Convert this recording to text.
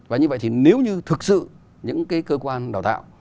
và như vậy thì nếu như thực sự những cái cơ quan đào tạo